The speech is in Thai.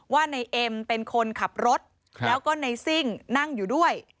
ว่าในเอ็มเป็นคนขับรถแล้วก็ในซิ่งนั่งอยู่ด้วย